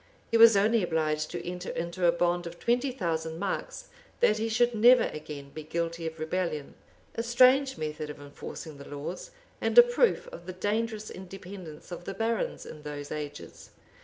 He was only obliged to enter into a bond of twenty thousand marks, that he should never again be guilty of rebellion; a strange method of enforcing the laws, and a proof of the dangerous independence of the barons in those ages!